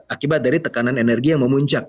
akibat dari tekanan energi yang memuncak